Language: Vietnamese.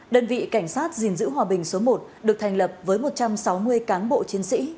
đơn vị cảnh sát gìn giữ hòa bình số một được thành lập với một trăm sáu mươi cán bộ chiến sĩ